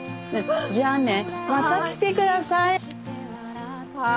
じゃあねまた来て下さい！は。